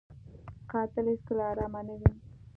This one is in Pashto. قاتل هېڅکله ارامه نه وي